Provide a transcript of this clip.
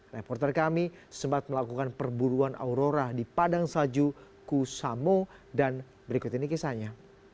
reporter kami sempat melakukan perburuan aurora di padang salju kusamo dan berikut ini kisahnya